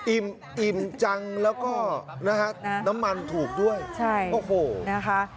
อิ่มจังแล้วก็นะฮะน้ำมันถูกด้วยใช่โอ้โหนะคะ